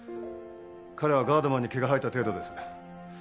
彼はガードマンに毛が生えた程度です。